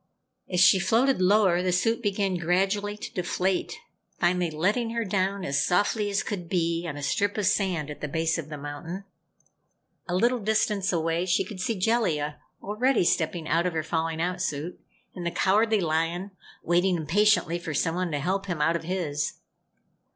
As she floated lower, the suit began gradually to deflate, finally letting her down as softly as could be, on a strip of sand at the base of the mountain. A little distance away she could see Jellia, already stepping out of her falling out suit, and the Cowardly Lion, waiting impatiently for someone to help him out of his.